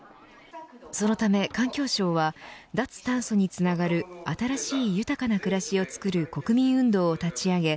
そのため環境省は脱炭素につながる新しい豊かな暮らしを創る国民運動を立ち上げ